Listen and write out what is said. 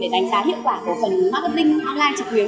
để đánh giá hiệu quả của phần marketing online trực tuyến